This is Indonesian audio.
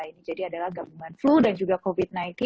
ini jadi adalah gabungan flu dan juga covid sembilan belas